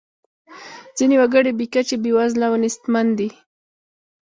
ځینې وګړي بې کچې بیوزله او نیستمن دي.